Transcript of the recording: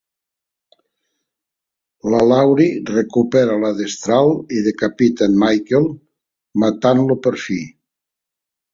La Laurie recupera la destral i decapita en Michael, matant-lo per fi.